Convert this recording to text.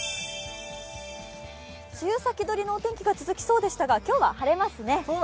梅雨先取りのお天気が続きそうでしたが、今日は晴れますね。